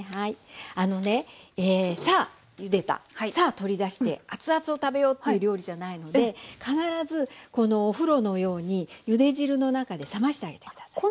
あのねさあゆでたさあ取り出して熱々を食べようっていう料理じゃないので必ずお風呂のようにゆで汁の中で冷ましてあげて下さい。